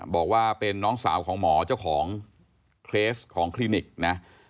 บอกว่าเป็นน้องสาวของหมอเจ้าของเคสของคลินิกนะ